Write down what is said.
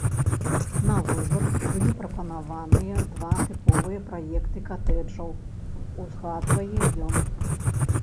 На выбар былі прапанаваныя два тыповыя праекты катэджаў, узгадвае ён.